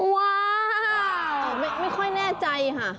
ว้าวไม่ค่อยแน่ใจค่ะ